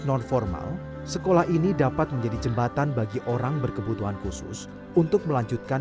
non formal sekolah ini dapat menjadi jembatan bagi orang berkebutuhan khusus untuk melanjutkan